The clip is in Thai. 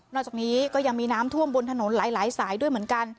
จากนี้ก็ยังมีน้ำท่วมบนถนนหลายสายด้วยเหมือนกัน